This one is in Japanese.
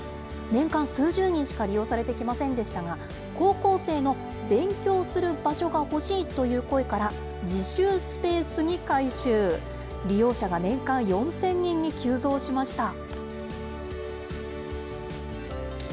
年間数十人しか利用されてきませんでしたが、高校生の勉強する場所が欲しいという声から、自習スペースに改修、利用者が年間４０００人に急増しました。